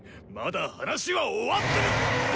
まだ話は終わって。